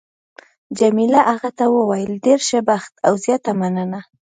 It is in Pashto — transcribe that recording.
جميله هغه ته وویل: ډېر ښه بخت او زیاته مننه.